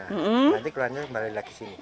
nanti keluarnya kembali lagi ke sini